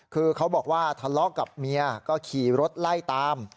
คือเขาบอกว่าทะเลาะกับเมียก็ขี่รถไล่ตาม